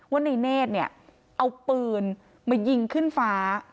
ว่าในเนธเนี่ยเอาปืนมายิงขึ้นฟ้า